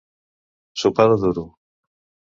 Sopar de duro.